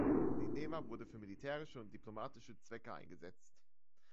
Die Nema wurde für militärische und diplomatische Zwecke eingesetzt.